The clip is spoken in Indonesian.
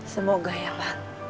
semoga ya pak